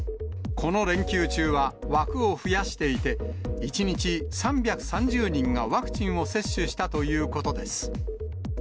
この連休中は、枠を増やしていて、１日３３０人がワクチンを接種したということです。